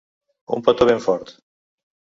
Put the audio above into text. Un petó ben fort!